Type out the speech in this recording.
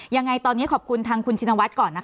ยังไงตอนนี้ขอบคุณทางคุณชินวัฒน์ก่อนนะคะ